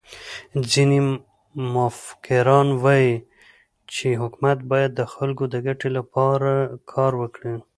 ځيني مفکران وايي، چي حکومت باید د خلکو د ګټي له پاره کار وکړي.